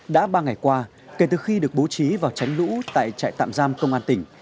đã ba ngày qua kể từ khi được bố trí vào tránh lũ tại trại tạm giam công an tỉnh